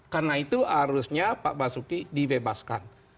karena itu harusnya pak basuki dibebaskan